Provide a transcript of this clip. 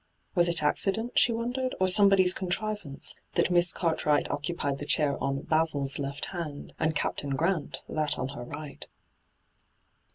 Was it accident, she wondered, or some body's contrivance, that Miss Cartright occu pied the chair on ' Basil's ' left hand, and Captain Grant that on her right